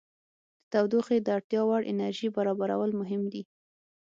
د تودوخې د اړتیا وړ انرژي برابرول مهم دي.